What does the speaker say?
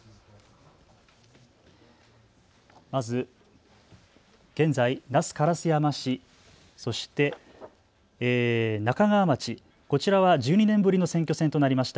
まず現在、那須烏山市、そして那珂川町、こちらは１２年ぶりの選挙戦となりました。